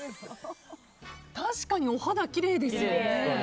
確かにお肌、きれいですよね。